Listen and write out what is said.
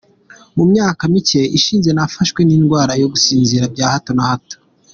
Mu myaka mike ishize nafashwe n’indwara yo gusinzira bya hata na hato.